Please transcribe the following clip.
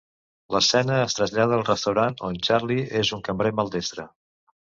L'escena es trasllada al restaurant, on Charlie és un cambrer maldestre.